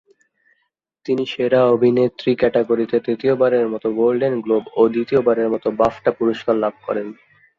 তিনি সেরা অভিনেত্রী ক্যাটাগরিতে তৃতীয়বারের মত গোল্ডেন গ্লোব ও দ্বিতীয়বারের মতো বাফটা পুরস্কার লাভ করেন।